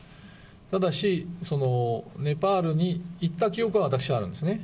ただし、そのネパールに行った記憶は私はあるんですね。